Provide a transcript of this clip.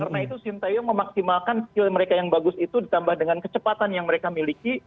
karena itu cinta yong memaksimalkan skill mereka yang bagus itu ditambah dengan kecepatan yang mereka miliki